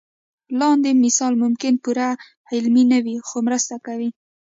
لاندې مثال ممکن پوره علمي نه وي خو مرسته کوي.